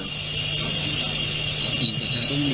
ครับท่าน